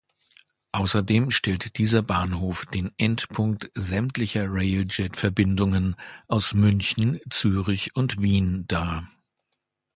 Außerdem stellt dieser Bahnhof den Endpunkt sämtlicher Railjet-Verbindungen aus München, Zürich und Wien dar.